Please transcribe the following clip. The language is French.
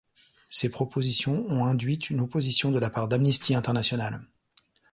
Ces propositions ont induites une opposition de la part d'Amnesty International.